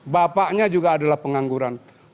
bapaknya juga adalah pengangguran